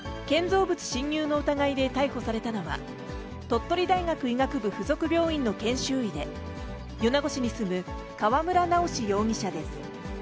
建造物侵入の疑いで逮捕されたのは、鳥取大学医学部附属病院の研修医で、米子市に住む川村直容疑者です。